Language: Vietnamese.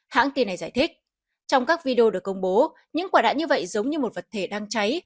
hãng tin này giải thích trong các video được công bố những quả đạn như vậy giống như một vật thể đang cháy